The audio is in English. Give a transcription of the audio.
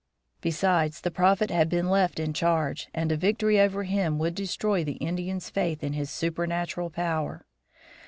Besides, the Prophet had been left in charge, and a victory over him would destroy the Indians' faith in his supernatural power.